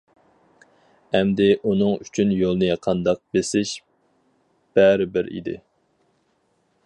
ئەمدى ئۇنىڭ ئۈچۈن يولنى قانداق بېسىش بەرىبىر ئىدى.